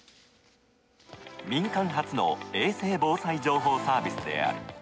民間初の衛星防災情報サービスである。